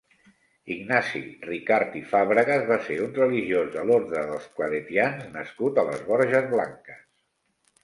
Ignasi Ricart i Fàbregas va ser un religiós de l'orde del claretians nascut a les Borges Blanques.